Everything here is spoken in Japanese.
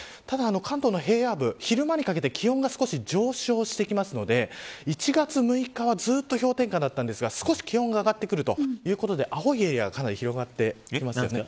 ただ、関東の平野部昼間にかけて気温が少し上昇してきますので１月６日はずっと氷点下だったんですが少し気温が上がってくるということで青いエリアが広がってきます。